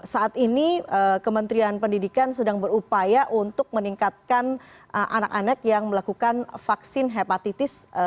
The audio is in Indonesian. saat ini kementerian pendidikan sedang berupaya untuk meningkatkan anak anak yang melakukan vaksin hepatitis